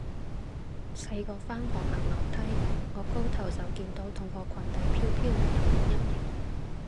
細個返學行樓梯，顎高頭就見到同學裙底飄飄，有童年陰影